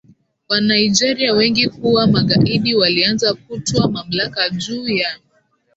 Wanigeria wengi kuwa magaidi walianza kutwaa mamlaka juu ya